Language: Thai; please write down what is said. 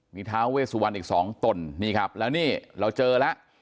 มีท้าเวสุวรรณอีกสองตนนี่ครับแล้วนี่เราเจอแล้ว